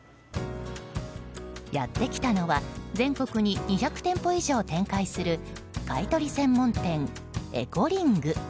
やってきたのは全国に２００店舗以上展開する買い取り専門店、エコリング。